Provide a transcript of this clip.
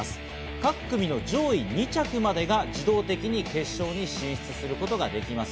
各組の上位２着までが自動的に決勝に進出することができます。